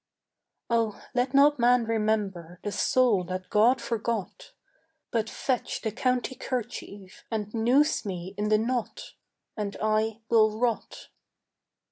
Oh let not man remember The soul that God forgot, But fetch the county kerchief And noose me in the knot, And I will rot.